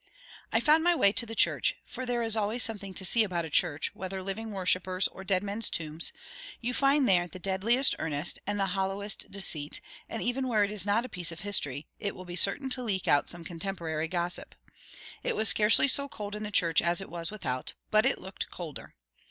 I found my way to the church; for there is always something to see about a church, whether living worshippers or dead men's tombs; you find there the deadliest earnest, and the hollowest deceit; and even where it is not a piece of history, it will be certain to leak out some contemporary gossip. It was scarcely so cold in the church as it was without, but it looked colder.